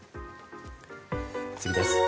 次です。